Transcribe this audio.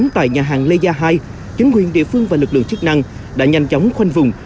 tại nhà hàng leia hai chính quyền địa phương và lực lượng chức năng đã nhanh chóng khoanh vùng